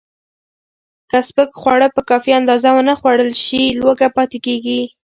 که سپک خواړه په کافي اندازه ونه خورل شي، لوږه پاتې کېږي.